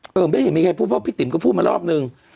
เอมเป๊ไม่ใช่มีใครพูดเพราะพี่ติ๋มก็พูดมารอบนึง